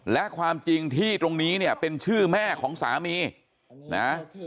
และความจริงที่ตรงนี้เนี่ยเป็นชื่อแม่ของสามีนะ